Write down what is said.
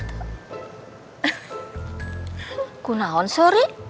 kau mau mau